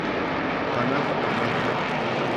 کھانا پکانا تھا